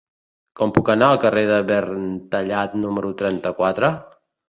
Com puc anar al carrer de Verntallat número trenta-quatre?